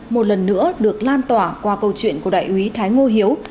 một lần nữa được lan tỏa qua câu chuyện của đại úy thái ngô hiếu